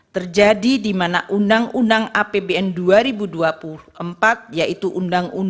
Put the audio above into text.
terjadi di mana ruu apbn dua ribu dua puluh empat yaitu ruu sembilan belas tahun dua ribu dua puluh tiga